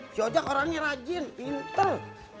si ojak orangnya rajin pinter